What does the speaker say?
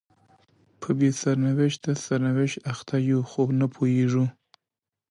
په بې سرنوشته سرنوشت اخته یو خو نه پوهیږو